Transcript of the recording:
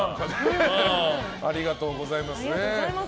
ありがとうございますね。